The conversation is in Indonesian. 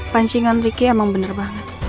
pancingan ricky emang bener banget